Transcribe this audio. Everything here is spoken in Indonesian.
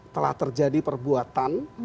telah terjadi perbuatan